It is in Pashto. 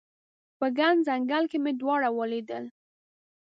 په ګڼ ځنګل کې مې دواړه ولیدل